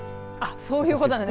そういうことなんですか。